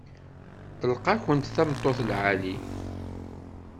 Tlaq-akent tameṭṭut lɛali.